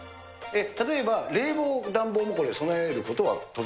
例えば冷房暖房も備えることは当然？